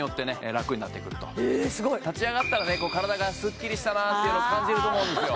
楽になってくるとえすごい立ち上がったらね体がすっきりしたなっていうの感じると思うんですよ